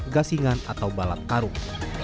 gasingan atau balat karung